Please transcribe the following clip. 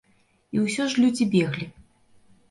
І ўсё ж людзі беглі.